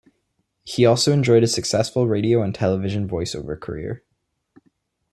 He also enjoyed a successful radio and television voice-over career.